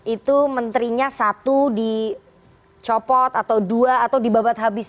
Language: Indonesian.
itu menterinya satu dicopot atau dua atau dibabat habis